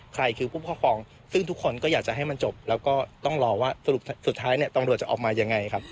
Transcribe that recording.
ใครคือผู้ครอบครองซึ่งทุกคนก็อยากจะให้มันจบแล้วก็ต้องรอว่าสรุปสุดท้ายเนี่ยตำรวจจะออกมายังไงครับ